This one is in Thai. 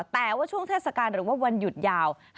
แต่ว่าช่วงเทศกาลหรือว่าวันหยุดยาว